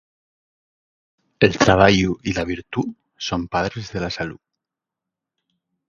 El trabayu y la virtú son padres de la salú.